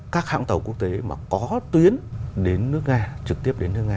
các hãng tàu quốc tế mà có tuyến đến nga ukraine thì chúng ta thấy một cách nhãn tiền là hiện tại